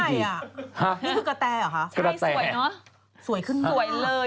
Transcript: นี่คือกระแทหรอคะ